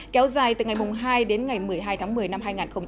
kéo dài từ ngày hai đến ngày một mươi hai tháng một mươi năm hai nghìn hai mươi